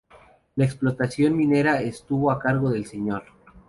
La explotación minera estuvo a cargo del Sr.